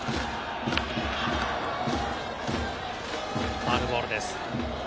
ファウルボールです。